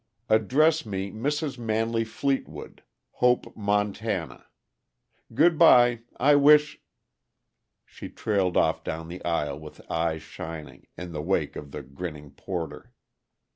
Address me Mrs. Manley Fleetwood, Hope, Montana. Good by I wish " She trailed off down the aisle with eyes shining, in the wake of the grinning porter.